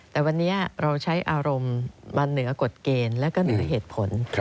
แต่วันนี้เราใช้อารมณ์มาเหนือกฎเกณฑ์แล้วก็เหนือเหตุผล